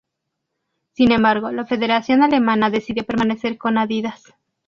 Sin embargo la Federación Alemana decidió permanecer con Adidas.